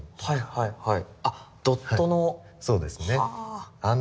はいはい。